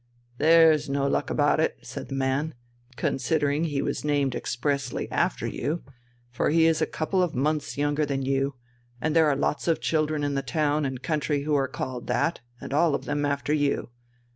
"There's no luck about it," said the man, "considering he was named expressly after you, for he is a couple of months younger than you, and there are lots of children in the town and country who are called that, and all of them after you.